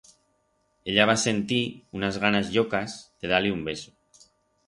Ella va sentir unas ganas llocas de dar-le un beso.